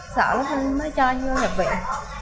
sợ nó không mới cho anh vô nhập viện